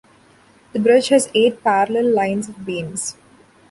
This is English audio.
The bridge has eight parallel lines of beams.